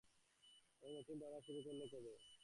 এই নতুন ড্রামা শুরু করলে কবে?